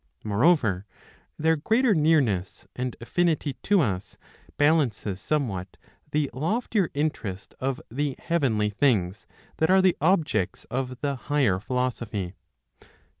Moreover, their greater nearness and affinity to us balances somewhat the loftier interest of the heavenly things that are the objects of the higher philosophy.